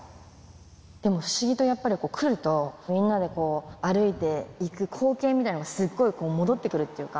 でも不思議と、やっぱり来ると、みんなで、こう、歩いていく光景みたいのが、すっごいこう、戻ってくるっていうか。